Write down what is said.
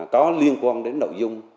có liên quan đến nội dung